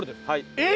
えっ！